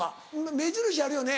目印あるよね